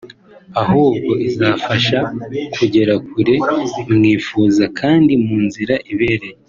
ahubwo izabafasha kugera kure mwifuza kandi mu nzira ibereye”